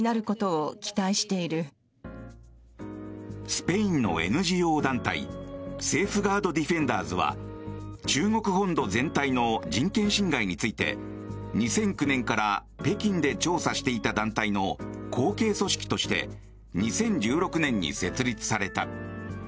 スペインのＮＧＯ団体セーフガード・ディフェンダーズは中国本土全体の人権侵害について２００９年から北京で調査していた団体の後継組織として２０１６年に設立された。